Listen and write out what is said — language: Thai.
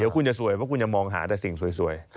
คุณจะสวยเพราะคุณจะมองหาแต่สิ่งสวย